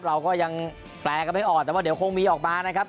เราก็ยังแปลกันไม่ออกแต่ว่าเดี๋ยวคงมีออกมานะครับ